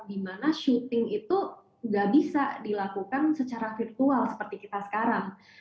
karena shooting itu gak bisa dilakukan secara virtual seperti kita sekarang